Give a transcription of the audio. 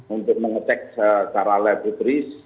untuk mengecek secara laboris